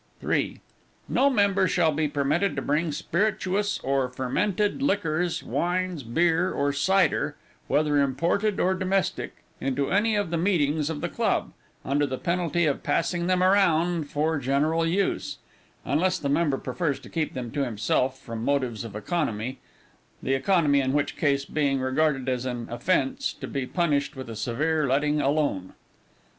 3. No member shall be permitted to bring spirituous or fermented liquors, wine, beer, or cider, whether imported or domestic, into any of the meetings of the club, under the penalty of passing them around for general use; unless the member prefers to keep them to himself, from motives of economy the economy in such case to be regarded as an offence, to be punished with a severe letting alone.